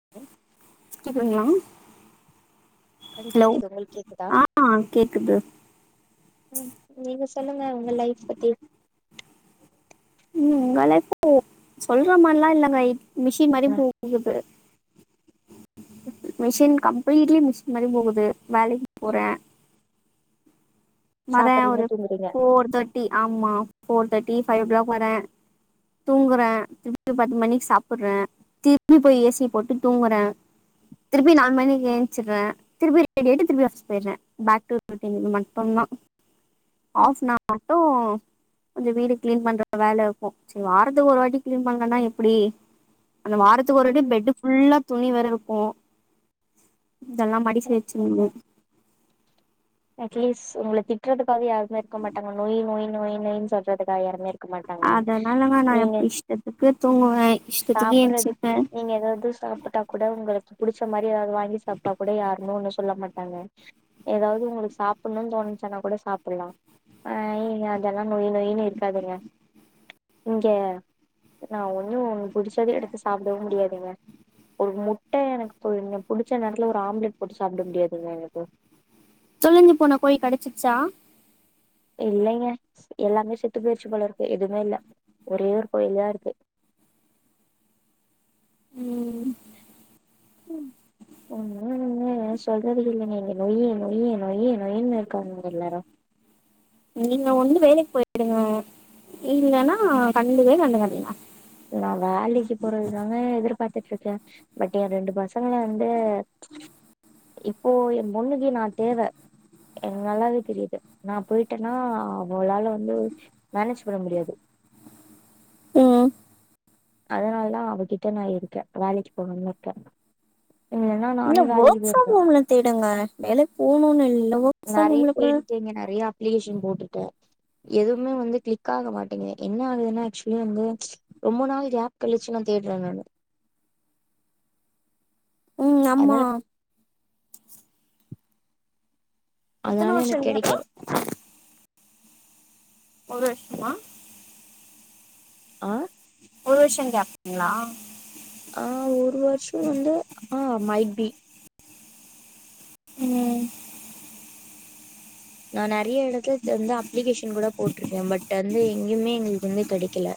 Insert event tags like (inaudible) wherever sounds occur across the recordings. (inaudible) (unintelligible) hello கேக்குது உங்களுக்கு கேக்குதா ஆ கேக்குது ம் நீங்க சொல்லுங்க உங்க லைஃப் பத்தி ம் ஒங்க லைஃப் (inaudible) சொல்ற மாரில்லா இல்லங்க இப் மிஷின் மாரி போகுது மிஷின் கம்ப்ளீட்லி மிஷின் மாரி போகுது வேலக்கி போறே வரே சாப்புறீங்க ஒரு தூங்குறீங்க ஃபோர் தர்ட்டி ஆமா four thirty five o'clock வரே தூங்குறே திருப்பி பத்து மணிக் சாப்புற்றே திரும்பி போய் ஏ சிய போட்டு தூங்குறே திருப்பி நாலு மணிக் ஏன்சுற்றே திருப்பி ரெடி ஆய்ட்டு திருப்பி ஆஃபிஸ் போய்றே பேக் டு (inaudible) மட்டுந்தா ம் ஆஃப்னா மட்டு கொஞ்சொ வீடு கிளீன் பண்ற வேல இருக்கு சரி வாரத்துக்கு ஒரு வாட்டி கிளீன் பண்லனா எப்டி அந்த வாரத் து ஒரு வாட்டி ம் பெட்டு் ஃபுல்லா துணி வேர இருக்கு இதல்லா மடிச்சு வச்சிர்னு அட்லீஸ் ஒங்கள திட்றதுக்காவது யாருமே இருக்க மாட்டாங்க நொய் நொய் நொய் நொய்னு சொல்றதுக்காக யாருமே இருக் க்க மாட்டாங்க அதனாலங்க நா நீங்க எப்ப இஷ்டத்துக்கு தூங்குவே இஷ்டத்துக்கு சாப்பற்றது எந்திச்சிப்பே நீங்க ஏதாவது சாப்புட்டா கூட ஒங்களுக்கு புடுச்ச மாரி ஏதாவது வாங்கி சாப்ட்டா கூட யாருமே ஒண்ணு சொல்ல மாட்டாங்க ஏதாவது ஒங்களுக் சாப்புண்ணுனு தோணுச்சுன்னா கூட சாப்புல்லா ஐ இங்க அதல்லா நொய் நொயினு இருக்காதுங்க இங்க நா ஒன்னு (unintelligible) புடுச்சத எடுத்து சாப்டவு முடியாதுங்க ஒரு முட்ட எனக்கு இந்த புடிச்ச நேரத்துல ஒரு ஆம்லெட் போட்டு சாப்புட முடியாதுங்க எனக்கு தொலஞ்சு போன கோழி கெடச்சிச்சா இல்லைங்க எல்லாமே செத்து போயிற்ச்சி போல இருக்கு எதுமே இல்ல ஒரே ஒரு கோழி தா இருக்கு ம் ம் ஒண்ணு (unintelligible) சொல்றதுக்கு இல்லைங்க இங்க நொய்யி நொய்யி நொய்யி நொயின்னு இருக்காங்கங்க எல்லாரு நீங்க ஒண்ணு வேலைக்கு போய்டுங்க இல்லன்னா கண்டுக்கவே கண்டுக்காதீங்க நா வேலைக்கு போறதுதாங்க எதிர்பாத்துட்ருக்கே பட் எ ரெண்டு பசங்கள வந்து இப்போ எ பொண்ணுக்கு நா தேவ என்க்கு நாலாவே தெரியுது நா போயிட்டேன்னா அவளால வந்து மேனேஜ் பண்ண முடியாது ம் அதனாலதா அவகிட்ட நா இருக்கே வேலைக்கு போகாம இருக்கே இல்லன்னா இல்ல நானே வேலைக்கு ஒர்க் ஃப்ரம் போயிருப்பே ஹோம்ல தேடுங்க வேலைக்கு போணுனு எவ்ளவோ நெறைய தேடிட்டேங்க நெறைய அப்ளிகேஷன் போட்ருக்கே எதுவுமே வந்து கிளிக் ஆக மாட்டேங்குது என்ன ஆகுதுன்னா ஆக்சுவலி வந்து ரொம்ப நாள் கேப் கழிச்சு தா தேடுறே நானு ம் ஆமா அதனால எத்தன அதுனால வருஷோ எனக்கு கேப்பு கெடைக்கல ஒரு வர்ஷோமா ஆ ஒரு வருஷோ கேப்புங்ளா ஆ ஒரு வர்ஷோ வந்து ஆ மைட் பி ம் நா நெறைய எடத்துல தந்து அப்ளிகேஷன் கூட போட்ருக்கே பட் வந்து எங்கயுமே எங்களுக்கு வந்து கெடைக்கல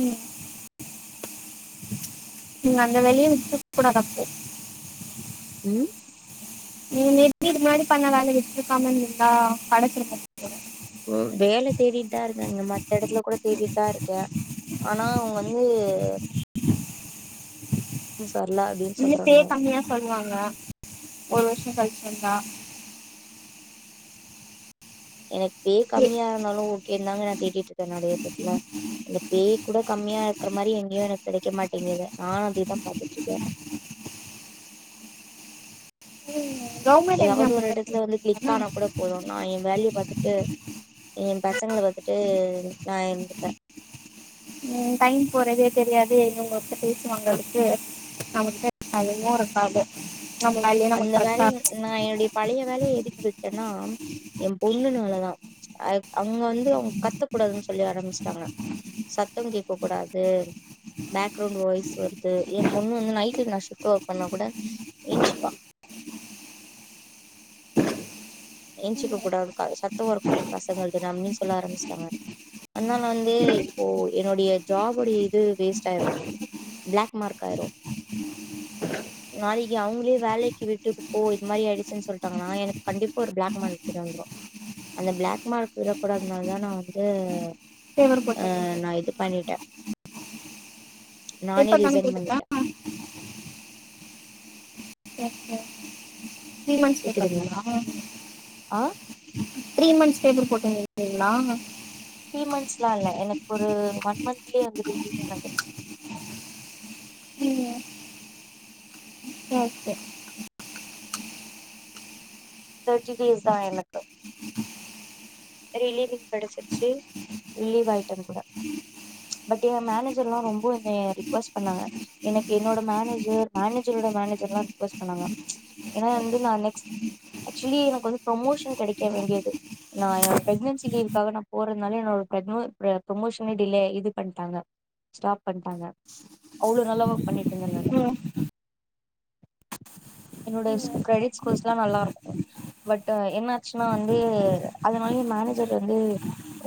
ம் நீங்க அந்த வேலைய விட்ருக் கூடாது அப்போ ம் நீங்க இப்டி இதுக்கு முன்னாடி பண்ண வேல விட்ருக்காம இருந்திருந்தா கெடச்சிருக்கு (inaudible) வேல தேடிட்டு தா இருக்கேங்க மத்த எடத்துல கூட தேடிட்டு தா இருக்கே ஆனா அவுங்க வந்து நியூஸ் வர்ல இன்னு பே கம்மியா சொல்வாங்க ஒரு வர்ஷோ கழிச்சு வந்தா எனக்கு பே கம்மியா இருந்தாலு ஓகேன்தாங்க நா தேடிட்ருக்கே நெறைய எடத்துல அந்த பே கூட கம்மியா இருக்குற மாரி எங்கேயு எனக்கு கெடைக்க மாட்டேங்கிது நானு அதுக்தா பாத்துட்ருக்கே கவர்மெண்ட் ஏதாவது எக்ஸாம் ஒரு ப்ரிப்பேர் எடத்துல வந்து க்ளிக் பண்ணுறாங்கன்னா ஆனா கூட போது நா எ வேலைய பாத்துட்டு எ பசங்கள பாத்துட்டு நா இருந்துப்பே ம் டைம் போறதே தெரியாது நீங்க ஒங்கள்ட்ட பேசுவங்களுக்கு நம்மகிட்ட ம் அதெல்லா இருக்காது கொஞ்ச நாள்லயே அந்த வேல நா என்னுடைய பழைய வேலைய எதுக்கு விட்டேன்னா எ பொண்ணுனாலதா அ அவங்க வந்து அவங்க கத்தக் கூடாதுன்னு சொல்லி ஆரம்பிச்ட்டாங்க சத்தொங் கேக்க கூடாது பேக்ரவுண்ட் வாய்ஸ் வருது எ பொண்ணு வந்து நைட்ல நா ஷிஃப்ட் ஒர்க் பண்ணா கூட என்சுப்பா என்சிக்கக் கூடாது க சத்த வரகூடாது பசங்கள்து ரம்மின் சொல்ல ஆரம்பிச்ட்டாங்க அதுனால வந்து இப்போ என்னுடைய ஜாபுடைய இது வேஸ்ட் ஆயிரு பிளாக் மார்க் ஆயிரு உ உ நாளைக்கி அவங்களே வேலைக்கு விட்டுட்டு போ இது மாரி ஆடுச்சுன் சொல்ட்டாங்கன்னா எனக்கு கண்டிப்பா ஒரு பிளாக் மார்க்கு வந்துடு அந்த பிளாக் மார்க் விழ கூடாதுனால தா நா வந்து பேப்பர் அ போட்டுருந்தேன் நா இது பண்ணிட்டே நானே பேப்பர் தானே ரிசைன் பண்ணிட்டே போட்டுக்கலாம் (inaudible) த்ரீ மந்த்ஸ் (inaudible) கேக்குதுங்களா ங்களா ஆ த்ரீ மன்ஸ் பேப்பர் போட்டி (inaudible) ருந்தீங்களா த்ரீ மன்ஸ்லா இல்ல எனக்கு ஒரு ஒன் மன்துலியே வந்து லீவிங் கெடச்சிடுச்சு ஓகே தெட்டி டேஸ்தா எனக்கு ரிலீவிங் கெடச்சுருச்சு ரிலிவ் ஆயிட்ட அதுக்கூட பட்டு ஏ மேனேஜர்லா ரொம்ப என்னைய ரிக்கோஸ்ட் பண்ணாங்க எனக்கு என்னோட மேனேஜர் மேனேஜரோட மேனேஜர்லா ரிக்வஸ்ட் பண்ணாங்க ஏனா வந்து நா நெக்ஸ்ட் ஆக்சுவலி எனக்கு வந்து ப்ரொமோஷன் கெடைக்க வேண்டியது நா என் பிரெக்னன்சி லீவுக்காக நா போறதுனால என்னோட ப்ரக்வ ப்ர ப்ரமோஷனே டிலே இது பண்ட்டாங்க ஸ்டாப் பண்ட்டாங்க அவ்ளோ நல்லா ஒர்க் பண்ணிட்டு இருந்தேங்க அங்க ம் என்னோட ஸ்கேரெடிட் ஸ்கோர்ஸ்லா நல்லாருக்கு பட் என்னாச்சுனா வந்து அ மாயி மேனேஜர் வந்து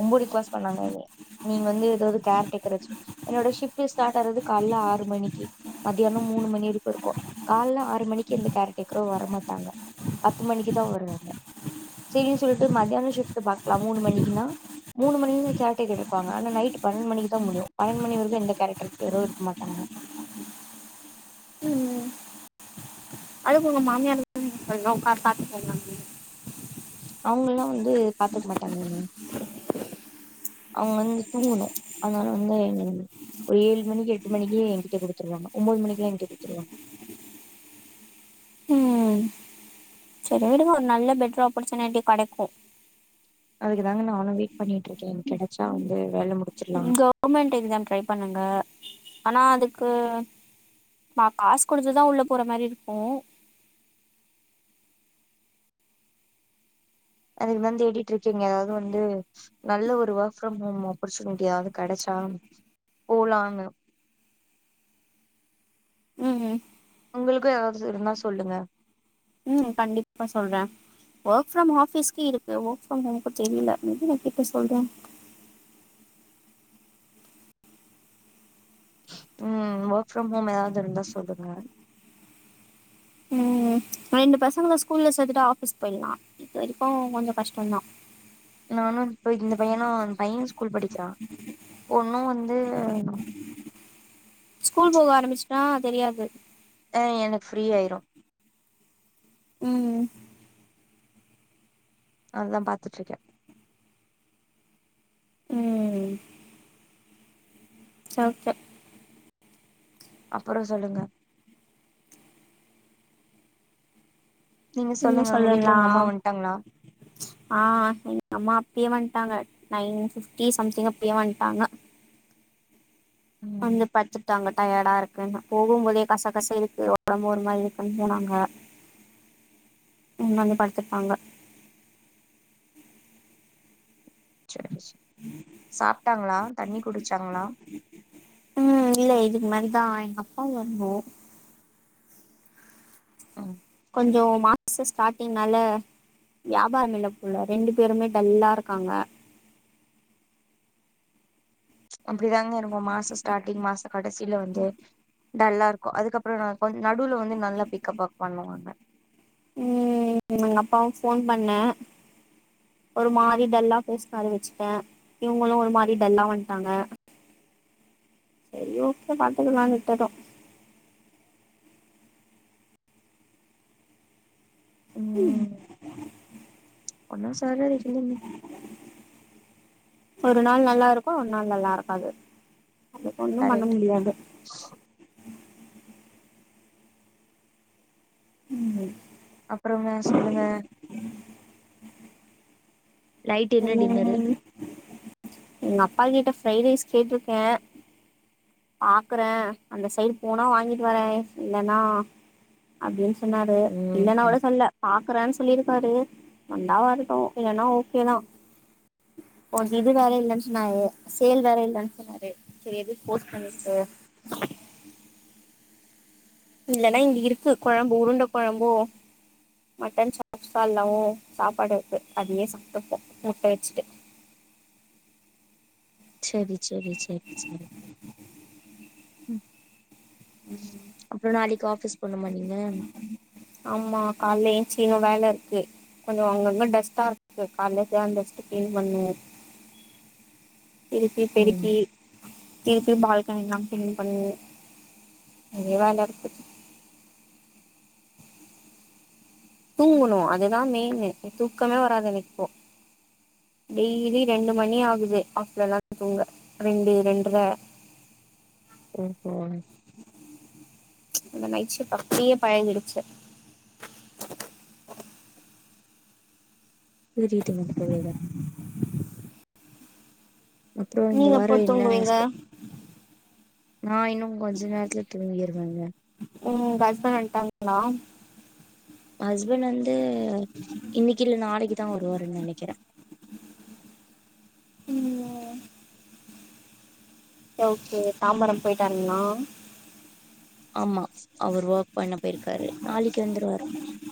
ரொம்ப ரிக்கோஸ்ட் பண்ணாங்க என்னைய நீங்க வந்து எதாது கேர் டேக்கர் வச்சு என்னோட ஷிஃப்ட்டே ஸ்டார்ட் ஆறது கால்ல ஆறு மணிக்கு மதியானோ மூணு மணி வரைக்கு இருக்கு கால்ல ஆறு மணிக்கு எந்த கேர் டேக்கரோ வர மாட்டாங்க பத்து மணிக்கு தா வருவாங்க சேரின்னு சொல்ட்டு மத்தியான ஷிஃப்டு பாக்லா மூணு மணிக்குன்னா மூணு மணி வரைக்கு கேர் டேக்கர் இருப்பாங்க ஆனா நைட் பன்னெண்டு மணிக்குதா முடியு பன்னெண்டு மணிவரைக்கு எந்த கேரட்டருக்கரு இருக்க மாட்டாங்க ம் அதுக்கு உங்க மாமியார் (inaudible) ஒக்காந் சாப்ட்டு போங்க அவுங்கல்லா வந்து பாத்துக்க மாட்டாங்கங்க அவங்க வந்து தூங்கணு அதனால வந்து ஒரு ஏழு மணிக்கு எட்டு மணிக்கே ஏன் கிட்ட குடுத்துருவாங்க ஒம்போது மணிக்கு ஏன் கிட்ட குடுத்துருவாங்க ம் சரி விடுங்க ஒரு நல்ல பெட்ரு ஆப்பர்ச்சுனிட்டி கெடைக்கு அதுக்குதாங்க நானு வெயிட் பண்ணிட்ருக்கே கெடைச்சா வந்து வேல முடிச்சிர்லா நீங் கவர்மெண்ட் எக்ஸாம் ட்ரை பண்ணுங்க ஆனா அதுக்கு மா காஸ் குடுத்துதா உள்ள போற மாரி இருக்கு அதுக்குதா தேடிட்ருக்கீங்க எதாது வந்து நல்ல ஒரு ஒர்க் ஃப்ரம் ஹோம் ஆப்பர்ச்சுனிட்டியாது கெடைச்சா போலாங்க ம் உங்களுக்கு எதாச்சு இருந்தா சொல்லுங்க ம் கண்டிப்பா சொல்றே ஒர்க் ஃப்ரம் ஆஃபிஸ்க்கு இருக்கு ஒர்க் ஃப்ரம் ஹோம்க்கு தெரில மே பி நா கேட்டு சொல்றே ம் ஒர்க் ஃப்ரம் ஹோம் எதாது இருந்தா சொல்லுங்க ம் ரெண்டு பசங்கல ஸ்கூல்ல சேத்துட்டா ஆஃபீஸ் போயிட்லா அது வரைக்கு கொஞ்சோ கஷ்டந்தா நானு இப்ப இந்த பையனு வந் பையன் ஸ்கூல் படிக்கிறா பொண்ணு வந்து ஸ்கூல் போவ ஆரம்பிச்சுட்டா தெரியாது அ எனக்கு ஃப்ரீ ஆயிரு ம் அதா பாத்துட்ருக்கே ம் இட்ஸ் ஓகே அப்பறோ சொல்லுங்க நீங்க என்ன சொல்லுங்க உங்க வீட்ல உங்க அம்மா சொல்லலாம் வன்ட்டாங்ளா ஆ எங்க அம்மா அப்பயே வன்ட்டாங்க நைன் ஃபிஃப்டி சம்திங் அப்பயே வன்ட்டாங்க ம் வந்து படுத்துட்டாங்க டயடா இருக்குன்னு போகும்போதே கச கச இருக்கு ஒடம்பு ஒரு மாரி இருக்குன் போனாங்க இங்க வந்து படுத்துருப்பாங்க சேரி சேரி சாப்ட்டாங்ளா தண்ணி குடிச்சாங்ளா ம் இல்ல இதுக்கு மேல்தா எங்க அப்பா வர்னு ம் கொஞ்சோ மாசோ ஸ்டார்டிங்னால வியாபாரமில்ல போல ரெண்டு பேருமே டல்லாருக்காங்க அப்டிதாங்க இருக்கு மாசோ ஸ்டார்டிங் மாச கடைசியில வந்து டல்லாருக்கு அதுக்கப்புறோ கொஞ் நடுல வந்து நல்லா பிக்கப்பு பண்ணுவாங்க ம் எங்க அப்பாவு ஃபோன் பண்ண ஒரு மாரி டல்லா பேசுனாரு வெச்சுட்டே இவங்களும் ஒரு மாரி டல்லா வந்துட்டாங்க செரி ஓகே பாத்துக்கலான்னு விட்டுட்டோ ம் ஒன்னா (unintelligible) ஒரு நாள் நல்லாருக்கு ஒரு நாள் நல்லாருக்காது அதுகொன்னு பண்ண முடியாது ஆ ம் அப்புறோங்க சொல்லுங்க ம் நைட் என்ன டின்னரு ம் எங்க அப்பா கிட்ட ஃப்ரைட் ரைஸ் கேட்ருக்கே பாக்குறே அந்த சைடு போனா வாங்கிட்டு வரே இல்லன்னா அப்டின்னு சொன்னாரு ம் இல்லன்னா கூட ம் சொல்ல பாக்கற சொல்லியிருக்காரு வந்தா வர்ட்டு இல்லன்னா ஓகேதா ஒ இது வேற இல்லன்னு சொன்னாரு சேல் வேற இல்லன் சொன்னாரு சேரி போர்ஸ் பண்ணிட்க்கிட்டு இல்லன்னா இங்க இருக்கு கொழம்பு ஊடுண்ட கொழம்பு மட்டன் சாப்ஸாகல்லாவு சாப்பாடு இருக்கு அதையே சாப்ட்டுப்போ முட்ட வெச்சுட்டு செரி செரி செரி செரி ம் அப்புறோ நாளைக்கி ஆபீஸ் போனுமா நீங்க ஆமா கால்ல ஏன்சி இன்னு வேலருக்கு கொஞ்சோ அங்கங்க டஸ்ட்டாருக்கு கால்ல டஸ்ட்ட கிளீன் பண்ண திருப்பி ம் பெருக்கி திருப்பி பால்கெனிகெல்லா கிளீன் பண்ணி நேரய வேலருக்கு தூங்கணு அதுதா மெயின்னு தூக்கமே வராது எனக்குப்போ டெய்லி ரெண்டு மணியாகுது ஆப்லலா தூங்க ரெண்டு ரெண்டர ஓஹோ அந்த நைட் ஷிப்ட் அப்டியே பழகிரிச்சு புரியுதுங்க புரியுதுங்க உ அப்புறோ இந்த எப்போ வாரோ என்ன தூங்குவீங்க ஸ்பெ நா இன்னு கொஞ்ச நேரத்துல தூங்கிருவேங்க உங்க ஹஸ்பான்ட் வன்டாங்களா ஹஸ்பண்ட் வந்து இன்னைக்கி இல்ல நாளைக்கிதா வருவாருன் நெனைக்கிறே ம் ஓகே தாம்பரம் போயிட்டாருங்ளா ஆமா அவர் ஒர்க் பண்ண போயிருக்காரு நாளைக்கி வந்துருவாரு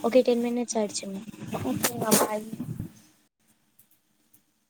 ஒகே டென் மினிட்ஸ் ஆயிடுச்சுங்க ஓகேங்க பாய்